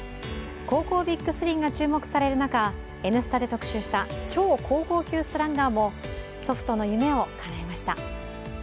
高校ビッグ３が注目される中、「Ｎスタ」で特集した超高校級スラッガーも祖父との夢をかなえました。